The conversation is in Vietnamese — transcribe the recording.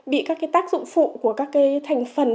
bị các tác dụng phụ của các thành phần